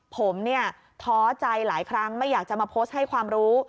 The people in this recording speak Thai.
ผมเนี่ยท้อใจหลายครั้งไม่อยากจะมาโพสต์ให้ความรู้